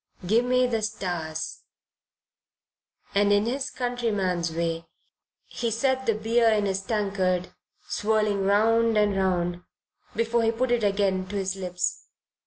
Gimme the stars." And in his countryman's way he set the beer in his tankard swirling round and round before he put it again to his lips.